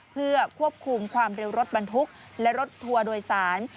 เพื่อควบคุมความเร็วรถบรรทุกและรถทัวร์โดยสาร